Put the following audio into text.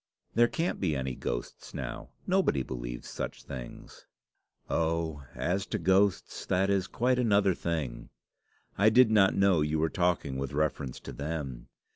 "There can't be any ghosts now. Nobody believes such things." "Oh, as to ghosts, that is quite another thing. I did not know you were talking with reference to them.